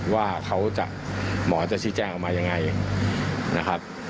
ว่าเขาจะหมอจะชี้แจงออกมายังไงนะครับ